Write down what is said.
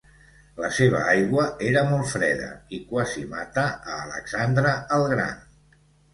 La seva aigua era molt freda i quasi mata a Alexandre el gran.